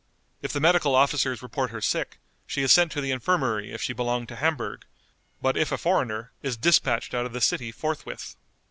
If the medical officers report her sick, she is sent to the infirmary if she belong to Hamburg, but if a foreigner is dispatched out of the city forthwith.